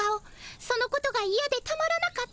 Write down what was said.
そのことがイヤでたまらなかった。